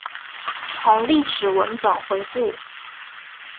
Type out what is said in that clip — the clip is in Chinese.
从历史文本回顾